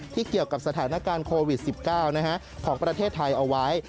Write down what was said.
เกี่ยวกับสถานการณ์โควิด๑๙ของประเทศไทยเอาไว้